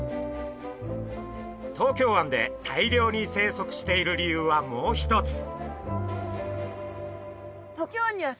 東京湾で大量に生息している理由はもう一つ。